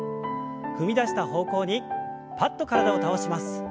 踏み出した方向にパッと体を倒します。